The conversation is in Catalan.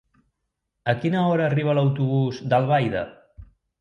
A quina hora arriba l'autobús d'Albaida?